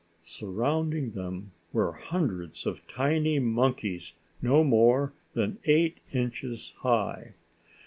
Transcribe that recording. Surrounding them were hundreds of tiny monkeys no more than eight inches high.